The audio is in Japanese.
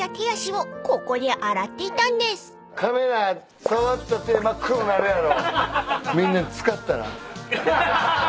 カメラ触った手真っ黒になるやろ。